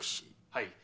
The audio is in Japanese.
はい。